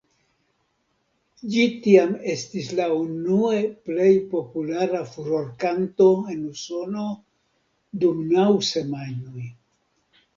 Ĝi tiam estis la unue plej populara furorkanto en Usono dum naŭ semajnoj.